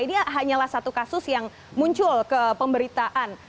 ini hanyalah satu kasus yang muncul ke pemberitaan